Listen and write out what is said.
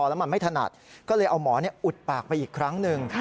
แล้วมันไม่ถนัดก็เลยเอาหมออุดปากไปอีกครั้งหนึ่ง